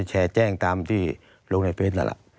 แชร์แจ้งตามที่โรงไลน์เป็น